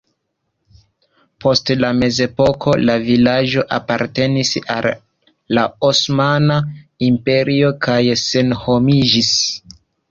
Post la mezepoko la vilaĝo apartenis al la Osmana Imperio kaj senhomiĝis.